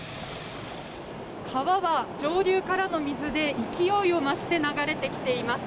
川は上流からの水で勢いを増して流れてきています。